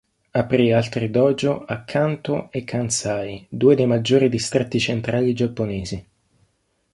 Aprì altri Dojo a Kantō e Kansai, due dei maggiori distretti centrali giapponesi.